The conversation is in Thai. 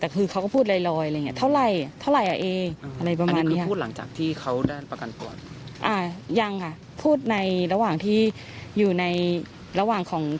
แต่คือเขาก็พูดลอยอะไรเงี้ยเท่าไหร่เท่าไหร่เอ๊อะไรประมาณนี้